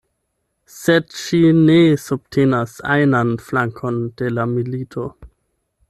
Sed ŝi ne subtenas ajnan flankon de la milito.